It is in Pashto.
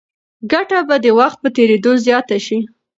ګټه به د وخت په تېرېدو زیاته شي.